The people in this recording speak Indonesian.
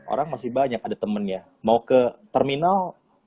orang masih banyak ada temennya mau ke terminal